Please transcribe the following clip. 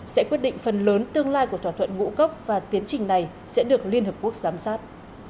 sẽ quyết định phần lớn tương lai của thỏa thuận ngũ cốc và tiến trình này sẽ được liên hợp quốc giám sát